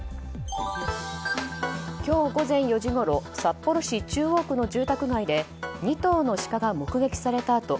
今日午前４時ごろ札幌市中央区の住宅街で２頭のシカが目撃されたあと